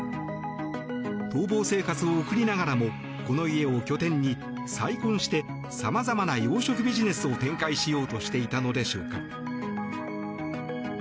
逃亡生活を送りながらもこの家を拠点に再婚してさまざまな養殖ビジネスを展開しようとしていたのでしょうか。